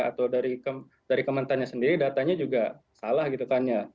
atau dari kementeriannya sendiri datanya juga salah gitu kan ya